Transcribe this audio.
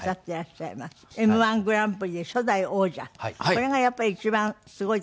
これがやっぱり一番すごいと思いますが。